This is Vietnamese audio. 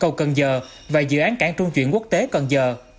cầu cần giờ và dự án cảng trung chuyển quốc tế cần giờ